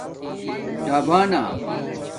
ڈَبݳ